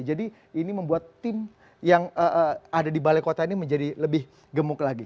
jadi ini membuat tim yang ada di balai kota ini menjadi lebih gemuk lagi